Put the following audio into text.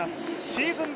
シーズン